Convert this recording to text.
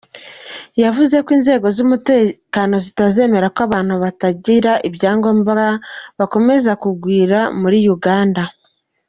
Yavuze ko inzego z’umutekano zitazemera ko abantu batagira ibyangombwa bakomeza kugwira muri Uganda.